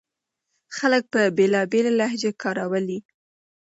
خلک به بېلابېلې لهجې کارولې.